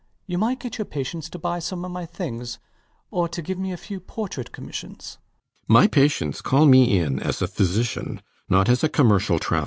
You might get your patients to buy some of my things, or to give me a few portrait commissions. RIDGEON. My patients call me in as a physician, not as a commercial traveller. A knock at the door.